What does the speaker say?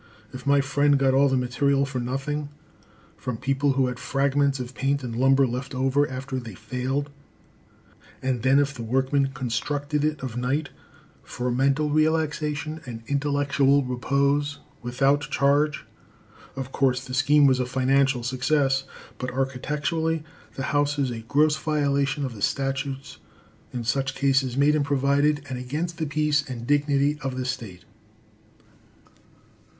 If my friend got all the material for nothing from people who had fragments of paint and lumber left over after they failed, and then if the workmen constructed it of night for mental relaxation and intellectual repose, without charge, of course the scheme was a financial success, but architecturally the house is a gross violation of the statutes in such cases made and provided, and against the peace and dignity of the State.